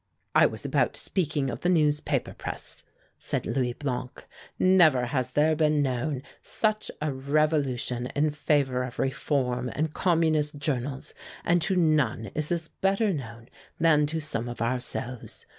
"I was about speaking of the newspaper press," said Louis Blanc. "Never has there been known such a revolution in favor of Reform and Communist journals, and to none is this better known than to some of ourselves.